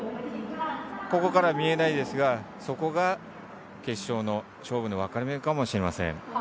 ここからは見えないですがそこが決勝の勝負の分かれ目かもしれません。